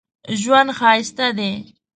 ژوند ښایسته دی